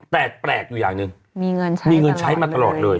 แต่แปลกอยู่อย่างหนึ่งมีเงินใช้มีเงินใช้มาตลอดเลย